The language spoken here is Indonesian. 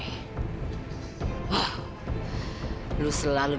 tidak ada yang bisa ngelakuin